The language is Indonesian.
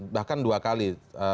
bahkan dua kali